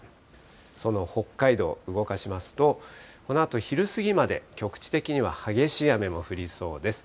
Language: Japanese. その北海道、動かしますと、このあと昼過ぎまで局地的には激しい雨も降りそうです。